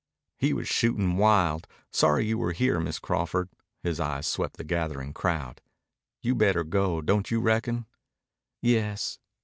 "He was shootin' wild. Sorry you were here, Miss Crawford." His eyes swept the gathering crowd. "You'd better go, don't you reckon?" "Yes....